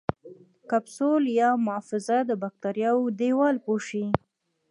کپسول یا محفظه د باکتریاوو دیوال پوښي.